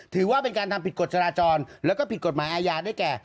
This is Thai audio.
ถือว่าเป็นการทำผิดกฎจราจรแล้วก็ผิดกฎหมายอาญาด้วยแก่